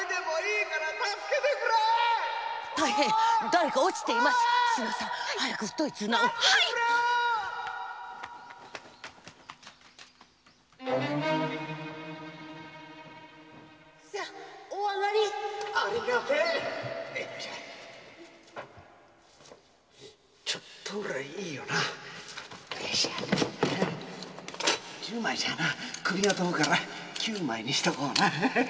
十枚じゃ首が飛ぶから九枚にしとこうな。